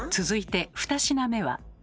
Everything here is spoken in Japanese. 続いて２品目は。